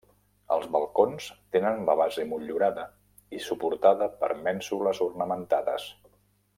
Els balcons tenen la base motllurada i suportada per mènsules ornamentades.